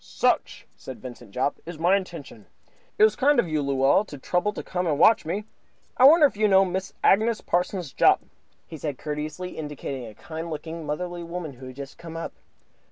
"Such," said Vincent Jopp, "is my intention. It was kind of you, Luella, to trouble to come and watch me. I wonder if you know Mrs. Agnes Parsons Jopp?" he said, courteously, indicating a kind looking, motherly woman who had just come up.